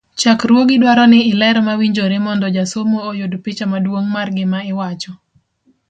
chakruogi dwaro ni iler mawinjore mondo jasomo oyud picha maduong' mar gima iwacho.